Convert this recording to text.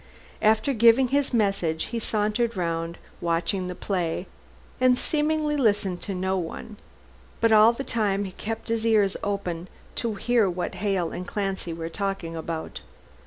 After giving his message, he sauntered round, watching the play, and seemingly listened to no one. But all the time he kept his ears open to hear what Hale and Clancy were talking about.